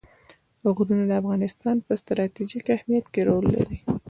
غرونه د افغانستان په ستراتیژیک اهمیت کې رول لري.